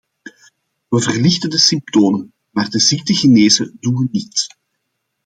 We verlichten de symptomen, maar de ziekte genezen doen we niet.